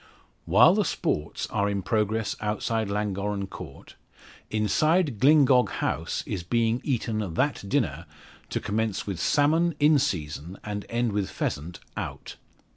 While the sports are in progress outside Llangorren Court, inside Glyngog House is being eaten that dinner to commence with salmon in season and end with pheasant out.